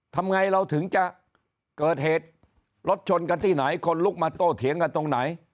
ทำไงเราถึงจะเกิดเหตุรถชนกันที่ไหนคนลุกมาโต้เถียงกันตรงไหน